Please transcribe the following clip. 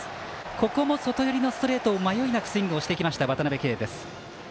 ここも外寄りのストレートを迷いなくスイングしてきた渡辺憩です。